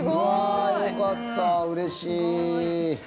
よかった、うれしい。